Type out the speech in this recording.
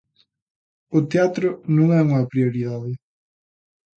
O teatro non é unha prioridade.